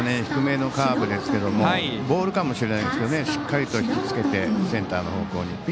低めのカーブですけれどもボールかもしれないですけどしっかりと引きつけてセンターの方向に。